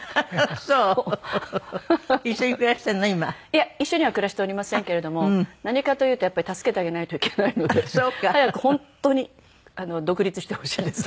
いえ一緒には暮らしておりませんけれども何かというとやっぱり助けてあげないといけないので早く本当に独立してほしいです。